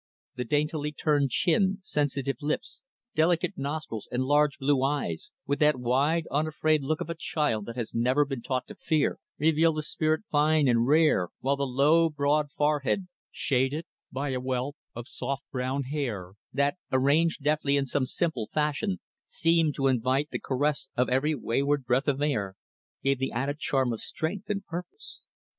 The daintily turned chin, sensitive lips, delicate nostrils, and large, blue eyes, with that wide, unafraid look of a child that has never been taught to fear, revealed a spirit fine and rare; while the low, broad forehead, shaded by a wealth of soft brown hair, that, arranged deftly in some simple fashion, seemed to invite the caress of every wayward breath of air, gave the added charm of strength and purpose.